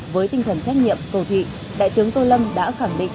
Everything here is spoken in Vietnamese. với tinh thần trách nhiệm cầu thị đại tướng tô lâm đã khẳng định